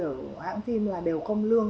ở hãng phim là đều không lương